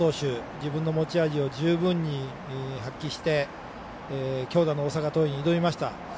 自分の持ち味を十分に発揮して強打の大阪桐蔭に挑みました。